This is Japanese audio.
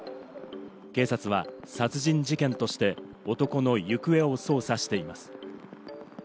警察は殺人事件として男の行方を捜査しています。